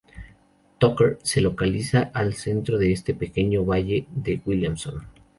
Tucker se localiza al centro-este del pequeño valle de Williamson.